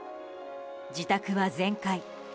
自宅は全壊。